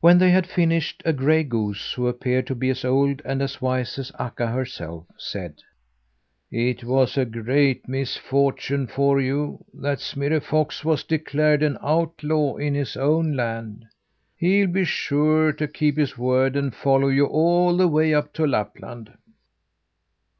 When they had finished, a gray goose, who appeared to be as old and as wise as Akka herself, said: "It was a great misfortune for you that Smirre Fox was declared an outlaw in his own land. He'll be sure to keep his word, and follow you all the way up to Lapland.